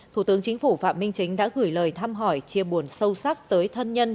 thủ tướng chính phủ phạm minh chính đã gửi lời thăm hỏi chia buồn sâu sắc tới thân nhân